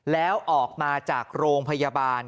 แล้วออกมาจากโรงพยาบาล